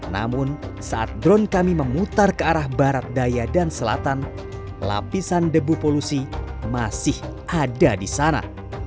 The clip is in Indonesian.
namun saat drone kami memutar ke arah barat daya dan selatan lapisan debu polusi masih ada di sana